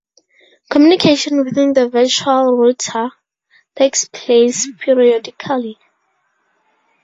Communication within the virtual router takes place periodically.